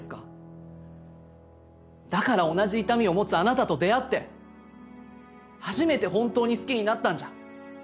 だから同じ痛みを持つあなたと出会って初めて本当に好きになったんじゃ？